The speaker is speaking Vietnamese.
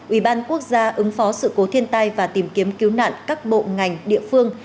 ubnd quốc gia ứng phó sự cố thiên tai và tìm kiếm cứu nạn các bộ ngành địa phương